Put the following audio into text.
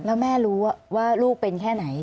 แล้วแม่รู้ว่าลูกเป็นแค่ไหน